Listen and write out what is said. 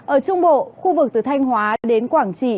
ở trung bộ khu vực từ thanh hóa đến quảng trị